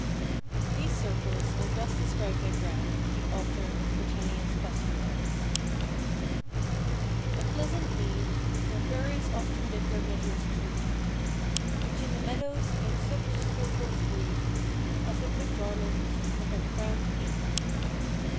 These circles are thus described by Browne, the author of Britannia's Pastorals:— "... A pleasant meade, Where fairies often did their measures treade, Which in the meadow made such circles greene, As if with garlands it had crowned beene.